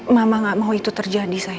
mama gak mau itu terjadi saya